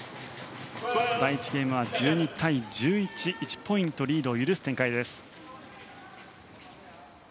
第１ゲームは１２対１１と１ポイントリードを許す展開。